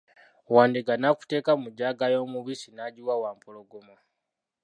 Wandiga nakuteeka mu jjaaga y'omubisi n'agiwa Wampologoma.